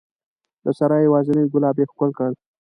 د سرای یوازینی ګلاب یې ښکل کړ